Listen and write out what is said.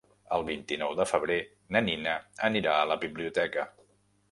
El vint-i-nou de febrer na Nina anirà a la biblioteca.